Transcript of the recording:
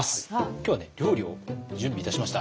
今日はね料理を準備いたしました。